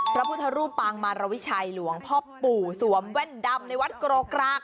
พระพุทธรูปปางมารวิชัยหลวงพ่อปู่สวมแว่นดำในวัดกรกลาง